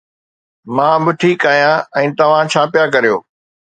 مان به ٺيڪ آهيان. ۽ توهان ڇا پيا ڪريو؟